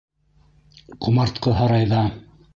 Ҡомартҡы һарайҙа!